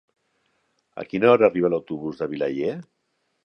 A quina hora arriba l'autobús de Vilaller?